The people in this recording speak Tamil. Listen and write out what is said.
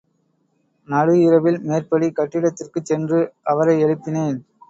நடு இரவில் மேற்படி கட்டிடத்திற்குச் சென்று அவரை எழுப்பினேன்.